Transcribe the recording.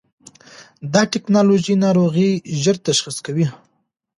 دا ټېکنالوژي ناروغي ژر تشخیص کوي.